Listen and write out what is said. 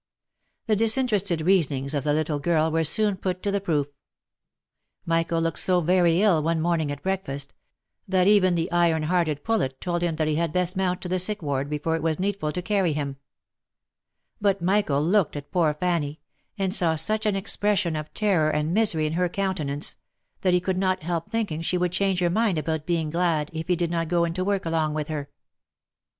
The disinterested reasonings of the little girl were soon put to the proof. Michael looked so very ill one morning at breakfast, that even the iron hearted Poulet told him he had best mount to the sick ward before it was needful to carry him ; but Michael looked at poor Fanny, and saw such an expression of terror and misery in her countenance, that he could not help thinking she would change her mind about being glad, if he did not go into work along with her.